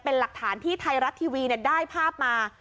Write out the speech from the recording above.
เป็นหลักฐานที่ไทยรัฐทีวีได้ภาพมา